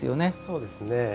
そうですね。